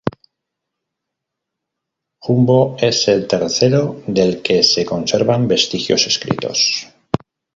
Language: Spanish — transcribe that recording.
Jumbo es el tercero del que se conservan vestigios escritos.